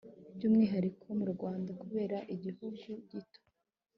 by'umwihariko mu rwanda kubera igihugu gito